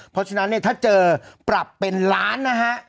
เพราะฉะนั้นเนี่ยถ้าเจอปรับเป็นล้านนะฮะ